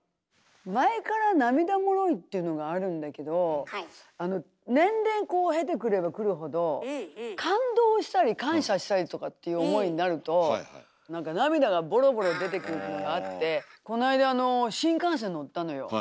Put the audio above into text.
前から涙もろいっていうのがあるんだけどあの年齢こう経てくればくるほど感動したり感謝したりとかっていう思いになると何か涙がボロボロ出てくるのがあってこの間あの新幹線乗ったのよ。